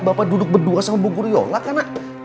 bapak duduk berdua sama bu guryola karena